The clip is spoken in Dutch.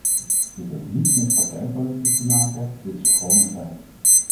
Dit heeft niets met partijpolitiek te maken, dit is gewoon een feit.